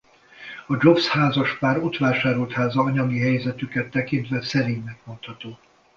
A Jobs házaspár ott vásárolt háza anyagi helyzetüket tekintve szerénynek mondható.